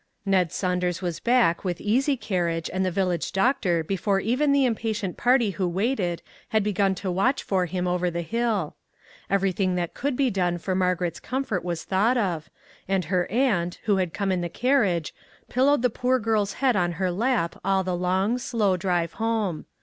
Ned Saun ders was back with easy carriage and the village doctor before even the impatient party who waited had begun to watch for him over the hill. Everything that could be done for Margaret's comfort was thought of, and her aunt, who had come in the carriage, pil lowed the poor girl's head on her lap all the long, slow drive home.